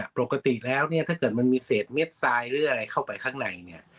ปกติแล้วเนี่ยถ้าเกิดมันมีเศษเม็ดทรายหรืออะไรเข้าไปข้างในเนี่ย